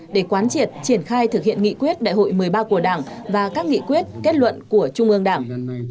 để quán triệt triển khai thực hiện nghị quyết đại hội một mươi ba của đảng và các nghị quyết kết luận của trung ương đảng